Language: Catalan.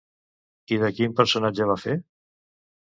I de quin personatge va fer?